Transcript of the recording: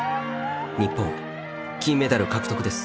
日本金メダル獲得です。